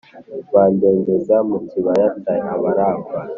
badendeza mu kibaya cy’Abarafa.